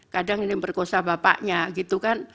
kadang ini yang diperkosa bapaknya gitu kan